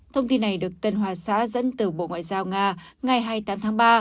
thông tin này được tân hòa xã dẫn từ bộ ngoại giao nga ngày hai mươi tám tháng ba